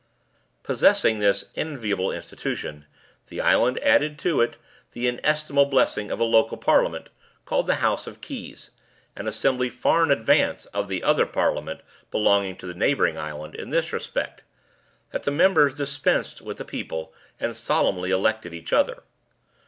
Possessing this enviable institution, the island added to it the inestimable blessing of a local parliament, called the House of Keys, an assembly far in advance of the other parliament belonging to the neighboring island, in this respect that the members dispensed with the people, and solemnly elected each other.